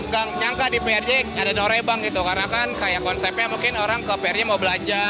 gang nyangka di prj ada norebang itu karena kan kayak konsepnya mungkin orang ke prj mau belanja